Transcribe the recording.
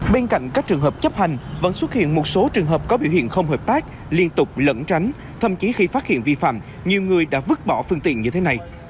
bên cạnh các trường hợp chấp hành vẫn xuất hiện một số trường hợp có biểu hiện không hợp tác liên tục lẫn tránh thậm chí khi phát hiện vi phạm nhiều người đã vứt bỏ phương tiện như thế này